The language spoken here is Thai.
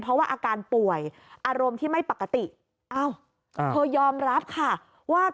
เพราะว่าอาการป่วยอารมณ์ที่ไม่ปกติอ้าวเธอยอมรับค่ะว่า